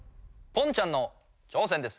ポンちゃんの挑戦です。